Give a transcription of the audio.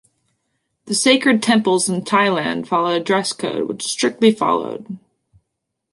The sacred temples in Thailand follow a dress code, which is strictly followed.